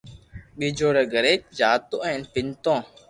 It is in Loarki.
ڀيجو ري گھري جاتو ھين پينتو